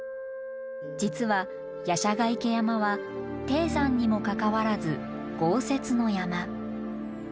実は夜叉ヶ池山は低山にもかかわらず豪雪の山。